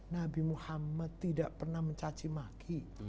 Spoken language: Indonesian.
nabi muhammad tidak pernah mencaci maki